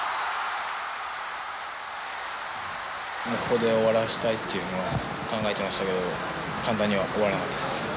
ここで終わらせたいっていうのは考えてましたけど簡単には終わらなかったです。